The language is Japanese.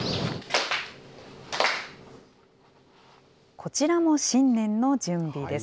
こちらも新年の準備です。